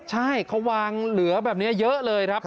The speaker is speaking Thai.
ใช่เขาวางเหลือแบบนี้เยอะเลยครับ